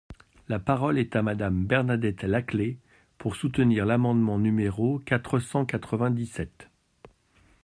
La parole est à Madame Bernadette Laclais, pour soutenir l’amendement numéro quatre cent quatre-vingt-dix-sept.